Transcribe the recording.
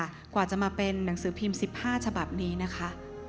อาจจะมาเป็นหนังสือพิมพ์สิบห้าฉบับนี้นะคะ